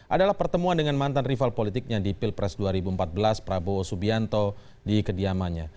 adalah pertemuan dengan mantan rival politiknya di pilpres dua ribu empat belas prabowo subianto di kediamannya